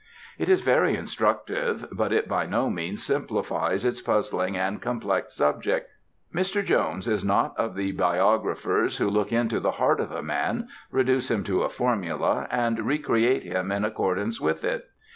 It is very instructive, but it by no means simplifies its puzzling and complex subject. Mr. Jones is not of the biographers who look into the heart of a man, reduce him to a formula and recreate him in accordance with it.